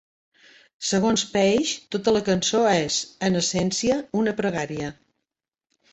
Segons Page, tota la cançó és, en essència, una pregària.